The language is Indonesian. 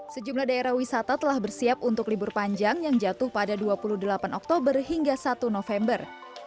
sejumlah daerah wisata telah bersiap untuk libur panjang yang jatuh pada dua puluh delapan oktober hingga satu november